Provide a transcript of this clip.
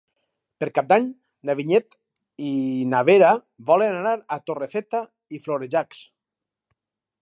Per Cap d'Any na Vinyet i na Vera volen anar a Torrefeta i Florejacs.